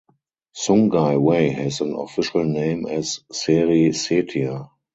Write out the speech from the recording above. Sungai Way has an official name as "Seri Setia".